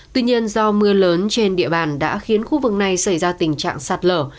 tuy nhiên do mưa lớn trên địa bàn đã khiến khu vực này xảy ra tình trạng sạt lở